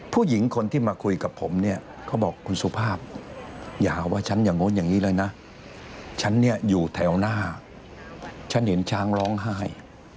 ผู้หญิงคนที่มาคุยกับผมเนี่ยเขาบอกคุณสุภาพอย่าหาว่าฉันอย่างนู้นอย่างนี้เลยนะฉันเนี่ยอยู่แถวหน้าฉันเห็นช้างร้องไห้